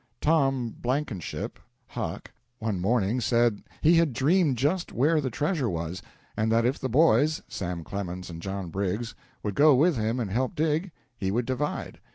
Tom Blankenship (Huck) one morning said he had dreamed just where the treasure was, and that if the boys Sam Clemens and John Briggs would go with him and help dig, he would divide.